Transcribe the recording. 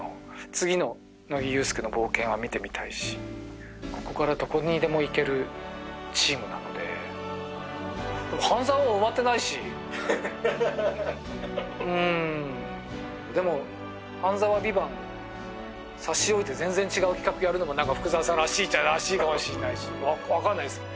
次の乃木憂助の冒険は見てみたいしここからどこにでもいけるチームなのでうーんでも「半沢」「ＶＩＶＡＮＴ」差し置いて全然違う企画やるのも何か福澤さんらしいっちゃらしいかもしれないし分かんないです